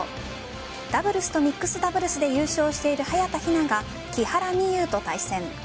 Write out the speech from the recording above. ダブルスとミックスダブルスで優勝している早田ひなが木原美悠と対戦。